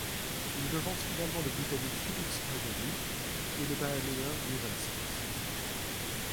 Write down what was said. Il devance finalement le Britannique Phillips Idowu et le Bahaméen Leevan Sands.